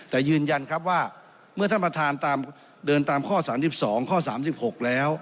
แต่ยืนยันครับว่าเมื่อท่านประธานตามเดินตามข้อ๓๒ข้อ๓๖แล้ว